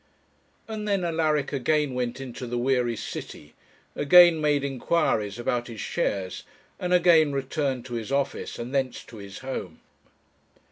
And then Alaric again went into the weary city, again made inquiries about his shares, and again returned to his office, and thence to his home.